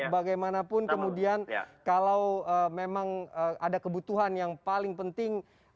bagaimanapun kemudian kalau memang ada kebutuhan yang paling penting